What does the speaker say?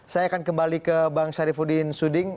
saya akan kembali ke bang syarifudin suding